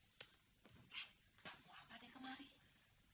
kan kamu mau apa deh kemari